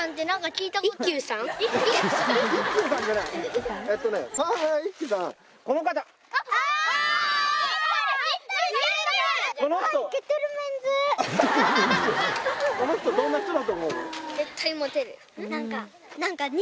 何か。